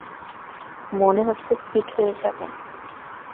মনে হচ্ছে ফিট হয়ে যাবো।